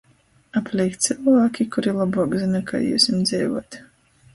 Apleik cylvāki, kuri lobuok zyna, kai jiusim dzeivuot!...